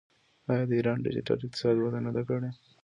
آیا د ایران ډیجیټل اقتصاد وده نه ده کړې؟